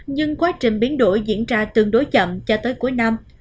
nhưng quá trình biến đổi diễn ra tương đối chậm cho tới cuối năm